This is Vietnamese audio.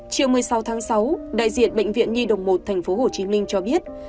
chiều một mươi sáu tháng sáu đại diện bệnh viện nhi đồng một tp hcm cho biết